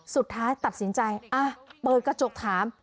สุดท้ายตัดสินใจเปิดกระจกถาม